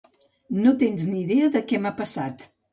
No tens idea de què m'ha passat.